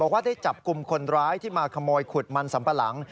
ว่าได้จับกลุ่มคนร้ายที่มาขโมยขุดมันสัมปะหลัง